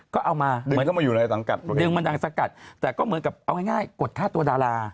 ก็เอามาดึงมาดังสักกัดแต่ก็เหมือนกับเอาง่ายกดค่าตัวดารา